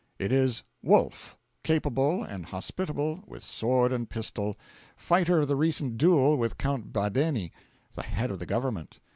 It is Wolf, capable and hospitable with sword and pistol; fighter of the recent duel with Count Badeni, the head of the Government.